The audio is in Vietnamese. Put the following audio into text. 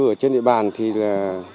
ở trên địa bàn thì là